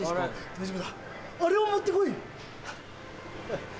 大丈夫だあれを持ってこい。